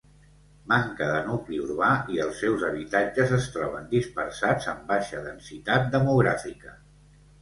Manca de nucli urbà i els seus habitatges es troben dispersats amb baixa densitat demogràfica.